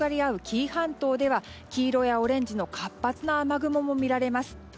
紀伊半島では黄色やオレンジの活発な雨雲も見られます。